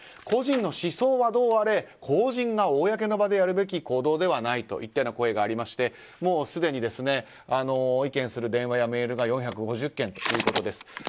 個人の思想はどうあれ公人が公の場でやるべき行動ではないといった声がありましてもう、すでに意見する電話やメールが４５０件ということです。